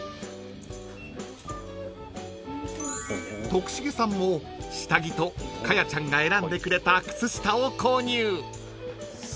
［徳重さんも下着とかやちゃんが選んでくれた靴下を購入］